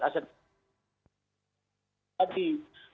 bukan seperti anda yang mengatakan